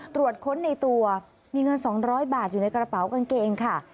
ตรวจค้นในตัวมีเงิน๒๐๐บาทอยู่ในกระเป๋ากางเกงค่ะ